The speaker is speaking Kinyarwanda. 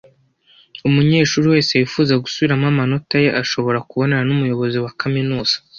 Umunyeshuri wese wifuza gusubiramo amanota ye ashobora kubonana numuyobozi wa kaminuza.